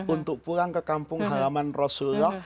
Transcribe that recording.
untuk pulang ke kampung halaman rasulullah